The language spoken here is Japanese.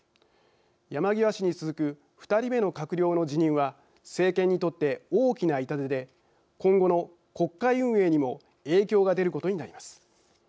山際氏に続く２人目の閣僚の辞任は政権にとって大きな痛手で今後の国会運営にも影響が出ることになります。